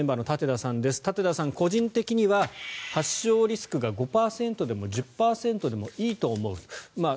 舘田さん、個人的には発症リスクが５％でも１０％でもいいと思う。